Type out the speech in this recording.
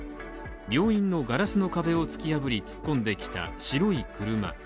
病院のガラスの壁を突き破り、突っ込んできた白い車。